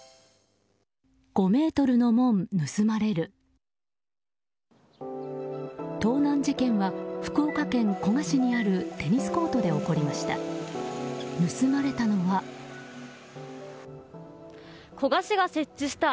盗難事件は福岡県古賀市にあるテニスコートで起こりました。